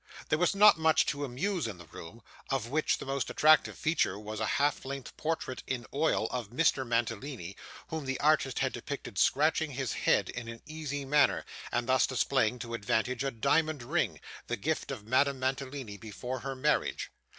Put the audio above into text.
There was not much to amuse in the room; of which the most attractive feature was, a half length portrait in oil, of Mr. Mantalini, whom the artist had depicted scratching his head in an easy manner, and thus displaying to advantage a diamond ring, the gift of Madame Mantalini before her marriage.